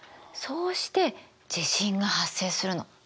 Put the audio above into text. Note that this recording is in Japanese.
そうして地震が発生するの。